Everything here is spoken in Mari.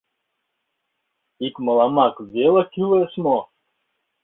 Ик мыламак веле кӱлеш мо?